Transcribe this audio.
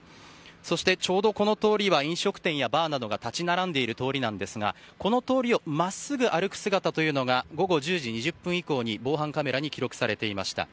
そしてちょうどこの通りは飲食店やバーなどが立ち並んでいる通りなんですがこの通りを真っすぐ歩く姿というのが午後１０時２０分以降に防犯カメラに記録されていました。